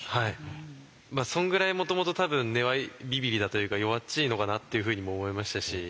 そんぐらいもともと多分根はビビりだというか弱っちいのかなっていうふうにも思いましたし。